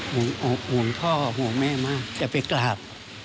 ห่วงพ่อห่วงแม่มากจะไปกราบ